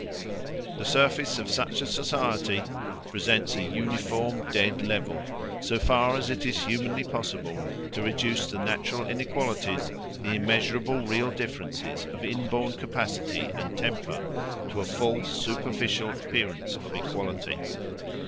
The surface of such a society presents a uniform dead level, so far as it is humanly possible to reduce the natural inequalities, the immeasurable real differences of inborn capacity and temper, to a false superficial appearance of equality.